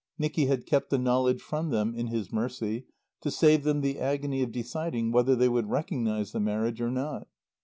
Nicky had kept the knowledge from them, in his mercy, to save them the agony of deciding whether they would recognize the marriage or not.